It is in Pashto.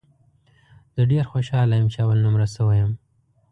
زه ډېر خوشاله یم ، چې اول نمره سوی یم